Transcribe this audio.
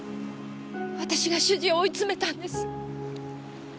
私が主人を追い詰めたんです。